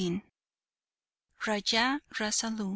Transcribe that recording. Raja Rasalu.